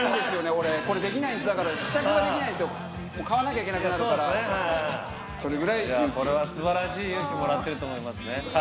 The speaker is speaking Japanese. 俺これできないんですだから試着ができないんですよ買わなきゃいけなくなるからそれぐらい勇気をこれはすばらしい勇気もらってると思いますね